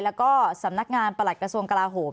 แล้วก็สำนักงานประหลักประสงค์กลาหม